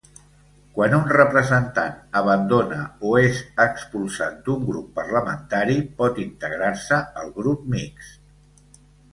Quan un representant abandona o és expulsat d'un grup parlamentari pot integrar-se al Grup Mixt.